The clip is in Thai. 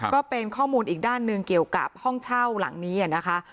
ก็เป็นข้อมูลอีกด้านหนึ่งเกี่ยวกับห้องเช่าหลังนี้นะคะ